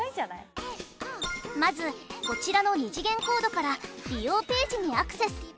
まずこちらの２次元コードから利用ページにアクセス。